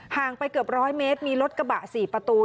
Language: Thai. งไปเกือบ๑๐๐เมตรมีรถกระบะ๔ประตู